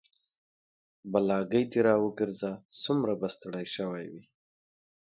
بلاګي د راوګرځه سومره به ستړى شوى وي